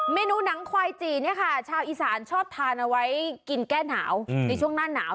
เมนูหนังควายจีเนี่ยค่ะชาวอีสานชอบทานเอาไว้กินแก้หนาวในช่วงหน้าหนาว